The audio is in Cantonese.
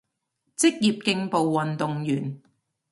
職業競步運動員